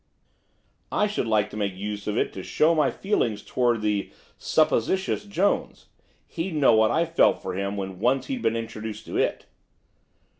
I should like to make use of it to show my feelings towards the supposititious Jones, he'd know what I felt for him when once he had been introduced to it.